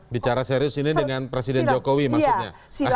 bicara serius ini dengan presiden jokowi maksudnya